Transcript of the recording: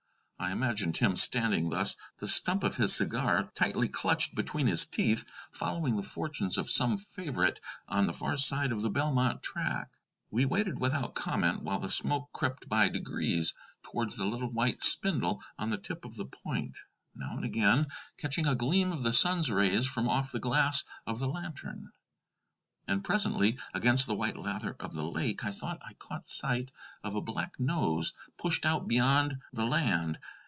I imagined him standing thus, the stump of his cigar tightly clutched between his teeth, following the fortunes of some favorite on the far side of the Belmont track. We waited without comment while the smoke crept by degrees towards the little white spindle on the tip of the point, now and again catching a gleam of the sun's rays from off the glass of the lantern. And presently, against the white lather of the lake, I thought I caught sight of a black nose pushed out beyond the land.